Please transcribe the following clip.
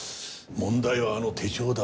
問題はあの手帳だ。